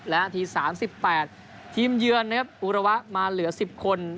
และอาทีสามสิบแปดทีมเยือนนะครับอุลวะมาเหลือสิบคน